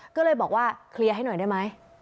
ก็เลยบอกว่าเคลียร์ให้หน่อยได้ไหม